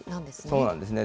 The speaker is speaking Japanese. そうなんですね。